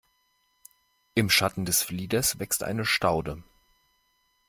Im Schatten des Flieders wächst eine Staude.